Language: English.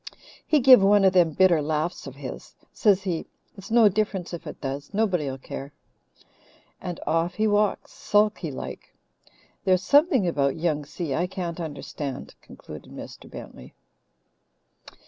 "He give one of them bitter laughs of his. Says he: 'It's no difference if it does. Nobody'll care,' and off he walks, sulky like. There's something about Young Si I can't understand," concluded Mr. Bentley.